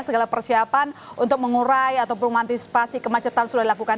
segala persiapan untuk mengurai ataupun mengantisipasi kemacetan sudah dilakukan